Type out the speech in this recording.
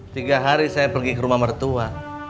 tiga hari saya pergi ke rumah mertua